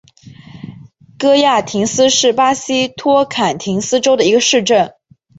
戈亚廷斯是巴西托坎廷斯州的一个市镇。